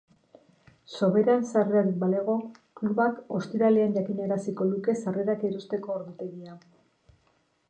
Soberan sarrerarik balego, klubak ostiralean jakinaraziko luke sarrerak erosteko ordutegia.